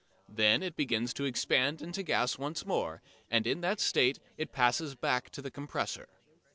Then it begins to expand into gas once more, and in that state it passes back to the compressor.